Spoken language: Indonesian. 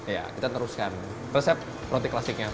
ya kita teruskan resep roti klasiknya